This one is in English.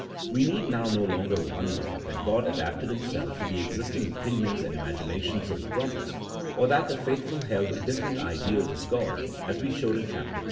We need now no longer wonder that God adapted Himself to the existing opinions and imaginations of the prophets, or that the faithful held different ideas of God, as we showed in Chap. II.